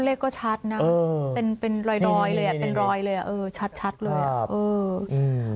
เลขกิจะแต๊ะในนี่ข้าวที่ตัวเดียว